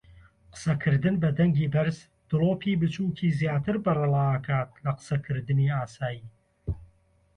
قسەکردن بە دەنگی بەرز دڵۆپی بچووکی زیاتر بەرەڵادەکات لە قسەکردنی ئاسایی.